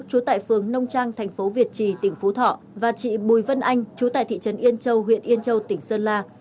trú tại phường nông trang thành phố việt trì tỉnh phú thọ và chị bùi vân anh chú tại thị trấn yên châu huyện yên châu tỉnh sơn la